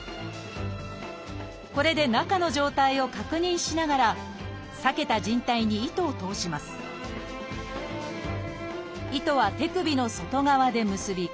これで中の状態を確認しながら裂けた靭帯に糸を通します糸は手首の外側で結び